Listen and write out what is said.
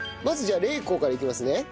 まずじゃあ麗紅からいきますね。